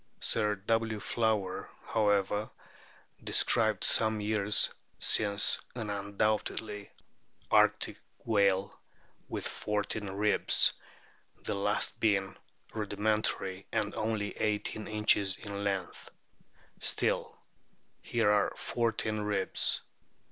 Sir W. Flower,^ however, described some years since an undoubtedly Arctic whale with fourteen ribs, the last being rudi mentary and only eighteen inches in length. Still, here are fourteen ribs.